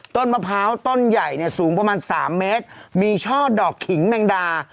ต้นมะพร้าวต้นใหญ่เนี่ยสูงประมาณสามเมตรมีช่อดอกขิงแมงดา